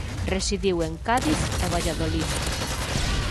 Residiu en Cádiz e Valladolid.